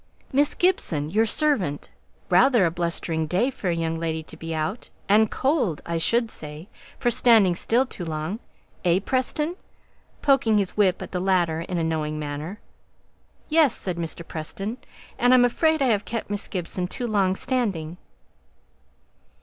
"Miss Gibson! your servant. Rather a blustering day for a young lady to be out, and cold, I should say, for standing still too long; eh, Preston?" poking his whip at the latter in a knowing manner. "Yes," said Mr. Preston; "and I'm afraid I have kept Miss Gibson too long standing."